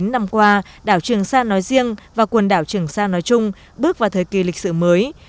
bốn mươi năm qua đảo trường sa nói riêng và quần đảo trường sa nói chung bước vào thời kỳ lịch sử mới